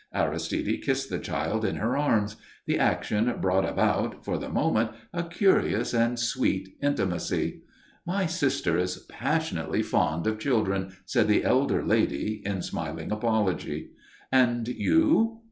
Aristide kissed the child in her arms. The action brought about, for the moment, a curious and sweet intimacy. "My sister is passionately fond of children," said the elder lady, in smiling apology. "And you?"